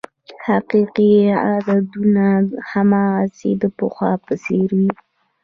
حقیقي عددونه هماغسې د پخوا په څېر وې.